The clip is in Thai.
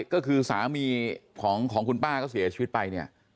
ก็คือสามีของคุณป้าก็เสียชีวิตไปเนี่ย